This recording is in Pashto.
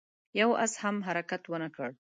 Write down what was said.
يوه آس هم حرکت ونه کړ.